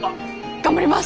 頑張ります。